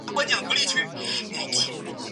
焙烙火矢是日本战国时代所使用兵器。